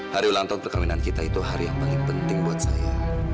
hari ulang tahun perkawinan kita itu hari yang paling penting buat saya